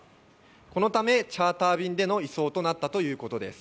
このため、チャーター便での移送となったということです。